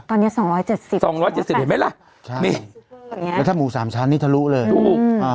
ตอนนี้๒๗๐๒๗๐เห็นไหมล่ะใช่มีแล้วถ้าหมูสามชั้นนี่เธอรู้เลยถูก